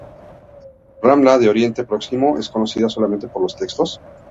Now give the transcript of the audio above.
Ramla, en Oriente Próximo, es conocida solamente por los textos.